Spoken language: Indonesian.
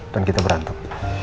dan kita berantem